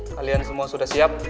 kalian semua sudah siap